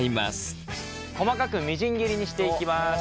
細かくみじん切りにしていきます。